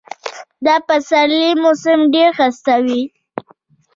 د پسرلي موسم ډېر ښایسته وي.